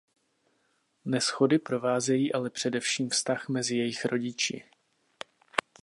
Neshody provázejí ale především vztah mezi jejich rodiči.